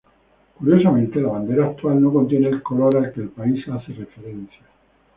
Curiosamente, la bandera actual no contiene el color al que el país hace referencia.